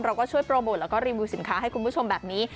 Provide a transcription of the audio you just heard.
เราก็ช่วยโปรโมทแล้วก็รีวิวสินค้าให้คุณผู้ชมแบบนี้